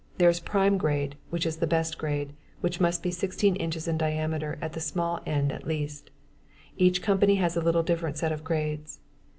There is a prime grade, which is the best grade, which must be 16 inches in diameter at the small end at least. Each company has a little different set of grades.